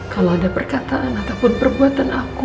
kalau ada perkataan ataupun perbuatan aku